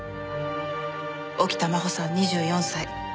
沖田真穂さん２４歳。